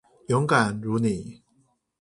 勇敢如妳